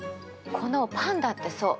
このパンだってそう。